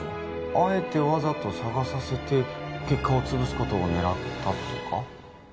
あえてわざと捜させて結果を潰すことを狙ったとか？